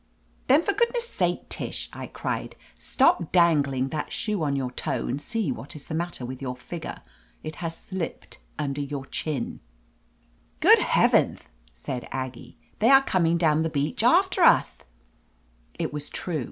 "Then for goodness sake, Tish," I cried, "stop dangling that shoe on your toe and see what is the matter with your figure. It has slipped up under your chin." 324 OF LETITIA CARBERRY «i 'Good heaventh!" said Aggie. "They are coming down the beach after uth !" It was true.